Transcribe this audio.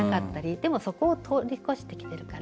でもそこを通り越してきてるから。